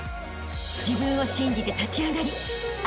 ［自分を信じて立ち上がりあしたへ